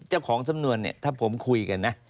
เจ้าของสำนวนเนี่ยถ้าผมคุยกันนะ